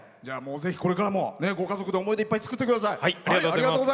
これからもご家族で思い出いっぱい作ってください。